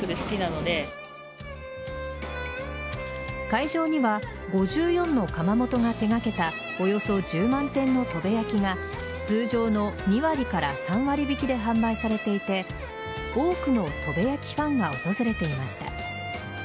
会場には５４の窯元が手掛けたおよそ１０万点の砥部焼が通常の２割から３割引きで販売されていて多くの砥部焼ファンが訪れていました。